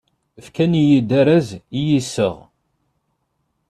Fkan-iyi-d arraz i yiseɣ.